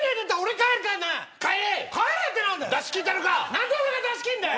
何で俺が出し切るんだよ。